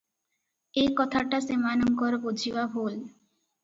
ଏକଥାଟା ସେମାନଙ୍କର ବୁଝିବା ଭୁଲ ।